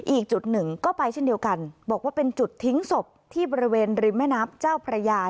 อีกจุดหนึ่งก็ไปเช่นเดียวกันบอกว่าเป็นจุดทิ้งศพที่บริเวณริมแม่น้ำเจ้าพระยา